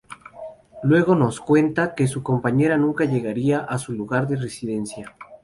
Luego nos cuenta que su compañera nunca llegaría a su lugar de residencia.